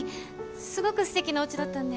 すごく素敵なおうちだったんで